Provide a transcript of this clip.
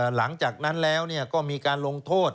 หลังจากนั้นแล้วก็มีการลงโทษ